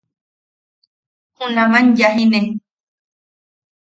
Junaman ayajine.